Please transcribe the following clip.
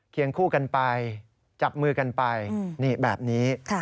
เคียงคู่กันไปจับมือกันไปแบบนี้